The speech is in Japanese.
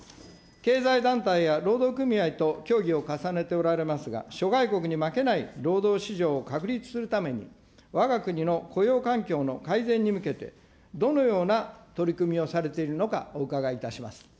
経済団体や労働組合と協議を重ねておられますが、諸外国に負けない労働市場を確立するために、わが国の雇用環境の改善に向けて、どのような取り組みをされているのかお伺いいたします。